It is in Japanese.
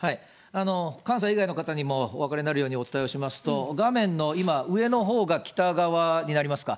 関西以外の方にもお分かりになるようにお伝えしますと、画面の今、上のほうが北側になりますか。